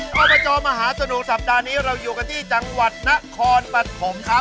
อบจมหาสนุกสัปดาห์นี้เราอยู่กันที่จังหวัดนครปฐมครับ